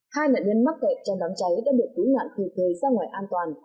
hai nạn nhân mắc vệ trong đám cháy đã được cứu nạn khủng thề ra ngoài an toàn